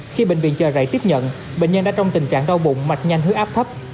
khi bệnh viện chờ rảy tiếp nhận bệnh nhân đã trong tình trạng đau bụng mạch nhanh hướng áp thấp